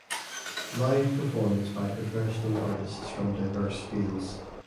Live performance by professional artists from diverse fields.